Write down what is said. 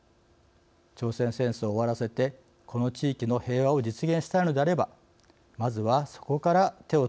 朝鮮戦争を終わらせてこの地域の平和を実現したいのであればまずはそこから手をつけるべきではないでしょうか。